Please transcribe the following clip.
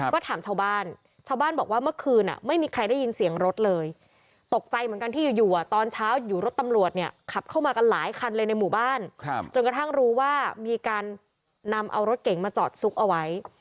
ก็ถามชาวบ้านชาวบ้านบอกว่าเมื่อคืนไม่มีใครได้ยินเสียงรถเลยตกใจเหมือนกันที่อยู่ตอนเช้าอยู่รถตำรวจเนี่ยขับเข้ามากันหลายคันเลยในหมู่บ้านจนกระทั่งรู้ว่ามีการนำเอารถเก๋งมาจอดซุกเอาไว้